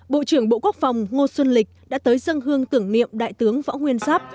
bộ trưởng bộ quốc phòng ngô xuân lịch đã tới dân hương tưởng niệm đại tướng võ nguyên giáp